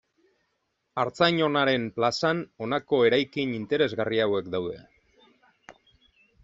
Artzain Onaren plazan honako eraikin interesgarri hauek daude.